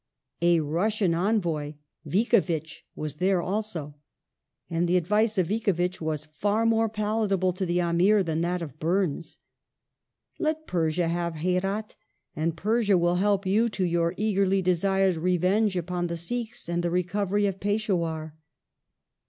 A Russian envoy, Vicovitch, was there also, and the advice of Vicovitch was far more palatable to the Amir than that of Burnes. " Let Pei sia have Herat, and Persia will help you to your eagerly desired revenge upon the Sikhs and the recovery of Peshdwar."